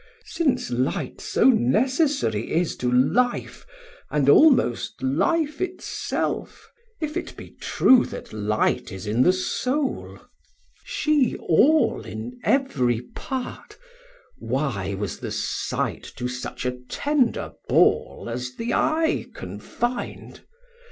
Since light so necessary is to life, 90 And almost life itself, if it be true That light is in the Soul, She all in every part; why was the sight To such a tender ball as th' eye confin'd?